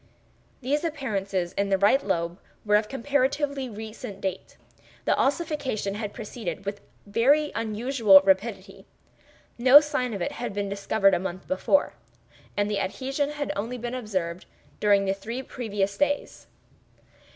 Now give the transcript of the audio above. These appearances in the right lobe were of comparatively recent date. The ossification had proceeded with very unusual rapidity; no sign of it had been discovered a month before, and the adhesion had only been observed during the three previous days.